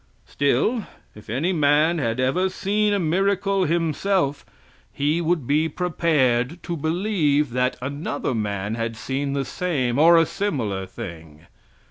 Still, if any man had ever seen a miracle himself, he would be prepared to believe that another man had seen the same or a similar thing.